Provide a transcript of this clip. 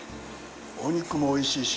お肉もおいしいし。